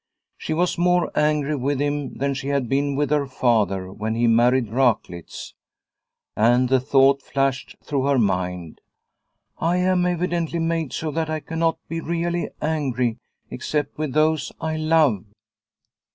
She was more angry with him than she had been with her father when he married Raklitz. And the thought flashed through hei mind : "I am evidently made so that I cannot be really angry except with those I love."